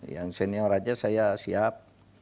yang senior aja saya siap